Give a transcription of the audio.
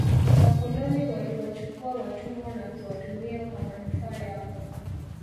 wakoloni waliwachukua watumwa na kuwatumia kwa manufaa yao